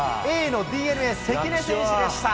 ＡのＤｅＮＡ、関根選手でした。